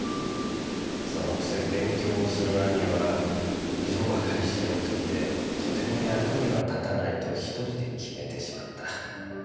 その癖勉強をする兄は色ばかり白くってとても役には立たないと一人で決めてしまった。